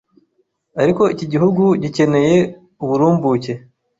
Ariko iki gihugu gicyeneye uburumbuke